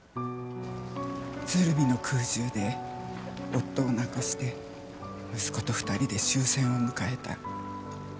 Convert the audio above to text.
鶴見の空襲で夫を亡くして息子と２人で終戦を迎えた。